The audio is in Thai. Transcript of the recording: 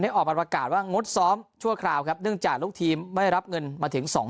ออกมาประกาศว่างดซ้อมชั่วคราวครับเนื่องจากลูกทีมไม่รับเงินมาถึง๒๐๐